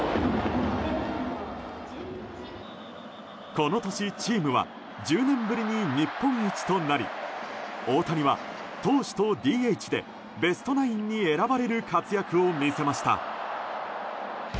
この年、チームは１０年ぶりに日本一となり大谷は投手とＤＨでベストナインに選ばれる活躍を見せました。